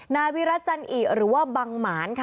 นาวิรัตชันอิหรือบางหมาน